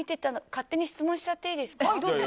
勝手に質問しちゃっていいですか。